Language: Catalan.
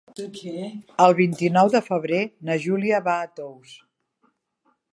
El vint-i-nou de febrer na Júlia va a Tous.